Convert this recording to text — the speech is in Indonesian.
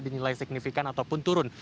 dinyalai signifikan ataupun turun